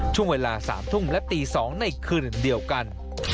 ช่วงเวลา๓ทุ่มและตี๒ในคืนเดียวกัน